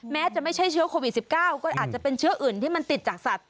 แม้จะไม่ใช่เชื้อโควิด๑๙ก็อาจจะเป็นเชื้ออื่นที่มันติดจากสัตว